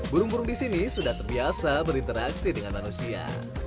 burung burung di sini sudah terbiasa berinteraksi dengan manusia